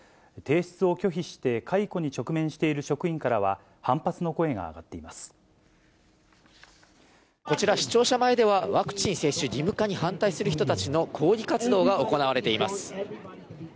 提出を拒否して解雇に直面している職員からは、反発の声が上がっこちら、市庁舎前では、ワクチン接種義務化に反対する人たちの抗議活動が行われています。